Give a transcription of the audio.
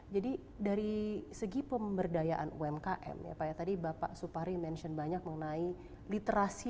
jadi dari segi pemberdayaan umkm pak supari menyebutkan banyak mengenai literasi